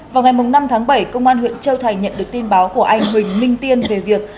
vào ngày năm tháng bảy công an huyện châu thành nhận được tin báo của anh huỳnh minh tiên về việc